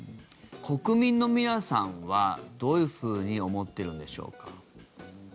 国民の皆さんはどういうふうに思ってるんでしょうか？